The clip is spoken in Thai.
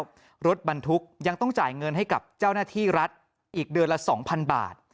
รถบรรทุกยังต้องจ่ายเงินให้กับเจ้าหน้าที่รัฐอีกเดือนละ๒๐๐บาท